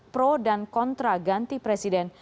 pro dan kontra ganti presiden